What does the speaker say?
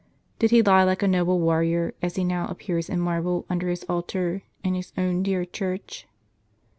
Did he lie, like a noble warrior, as he now appears in marble under his altar, in his own dear church